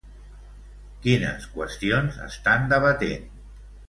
Quines qüestions estan debatent?